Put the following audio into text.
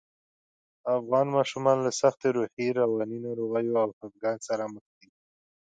افغان ماشومان له سختو روحي، رواني ناروغیو او خپګان سره مخ دي